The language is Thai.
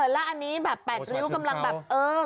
แล้วอันนี้แบบ๘ริ้วกำลังแบบเออ